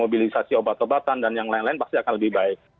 mobilisasi obat obatan dan yang lain lain pasti akan lebih baik